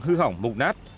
hư hỏng mục nát